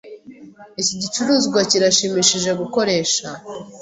Iki gicuruzwa kirashimishije gukoresha.